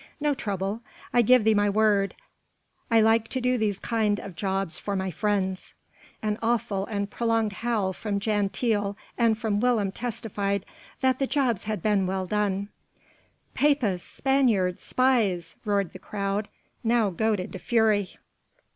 No trouble, I give thee my word I like to do these kind of jobs for my friends." An awful and prolonged howl from Jan Tiele and from Willem testified that the jobs had been well done. "Papists! Spaniards! Spies!" roared the crowd, now goaded to fury.